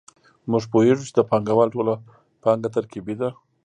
موږ پوهېږو چې د پانګوال ټوله پانګه ترکیبي ده